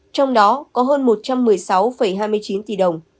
trong đó có hơn một trăm một mươi sáu hai mươi chín tỷ đồng